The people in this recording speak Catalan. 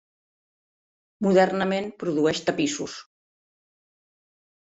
Modernament produeix tapissos.